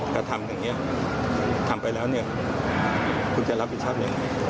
ถ้าทำอย่างนี้ทำไปแล้วเนี่ยคุณจะรับผิดชอบยังไง